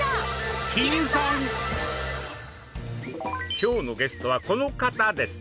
今日のゲストはこの方です。